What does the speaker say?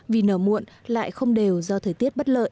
vì nở muộn lại không đều do thời tiết bất lợi